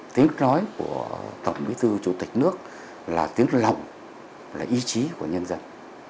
tiếng nói của tổng bí thư chủ tịch nước là tiếng lòng là ý chí của nhân dân